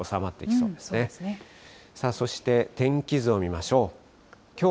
そして天気図を見ましょう。